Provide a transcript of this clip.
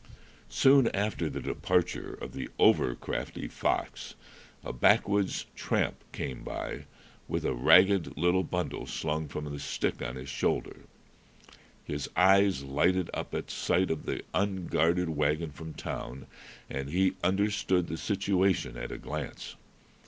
Soon after the departure of the over crafty fox, a backwoods tramp came by, with a ragged little bundle slung from the stick on his shoulder. His eyes lighted up at sight of the unguarded wagon from town, and he understood the situation at a glance.